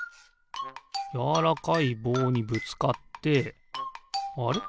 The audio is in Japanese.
やわらかいぼうにぶつかってあれ？